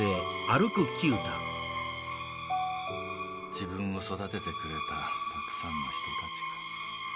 自分を育ててくれたたくさんの人たちか。